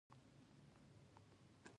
څه کارونه کوئ؟ پاکول، پخول او اوړه لمدول